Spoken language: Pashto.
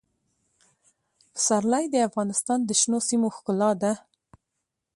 پسرلی د افغانستان د شنو سیمو ښکلا ده.